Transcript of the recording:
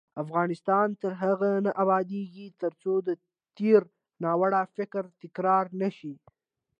افغانستان تر هغو نه ابادیږي، ترڅو د تیر ناوړه فکر تکرار نشي.